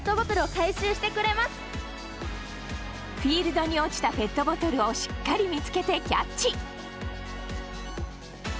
フィールドに落ちたペットボトルをしっかり見つけてキャッチ！